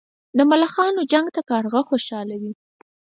د ملخانو جنګ ته کارغه خوشاله وي.